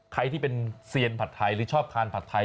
ใครที่เป็นเซียนผัดไทยหรือชอบทานผัดไทย